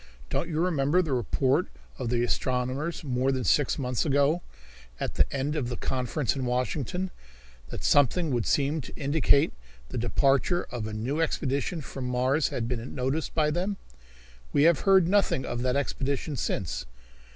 "Don't you remember the report of the astronomers more than six months ago, at the end of the conference in Washington, that something would seem to indicate the departure of a new expedition from Mars had been noticed by them? We have heard nothing of that expedition since.